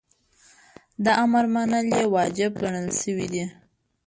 د امر منل یی واجب ګڼل سوی دی .